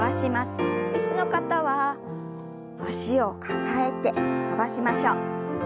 椅子の方は脚を抱えて伸ばしましょう。